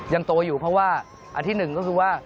ยังโตอยู่เพราะว่าอันที่หนึ่งก็คือว่า